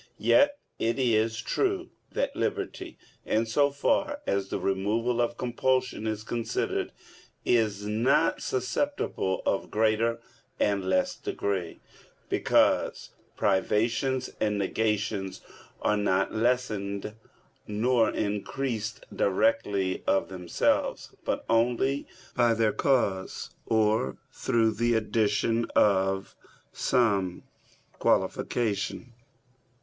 Yet it is true that liberty, in so far as the removal of compulsion is considered, is not susceptible of greater and less degree; because privations and negations are not lessened nor increased directly of themselves; but only by their cause, or through the addition of some qualification.